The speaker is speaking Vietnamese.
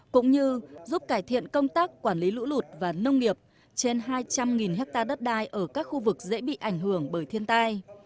cũng như giúp cải thiện công tác quản lý lũ lụt và nông nghiệp trên hai trăm linh hectare đất đai ở các khu vực dễ bị ảnh hưởng bởi thiên tai